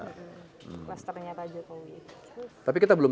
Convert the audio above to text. clusternya pak jokowi tapi kita belum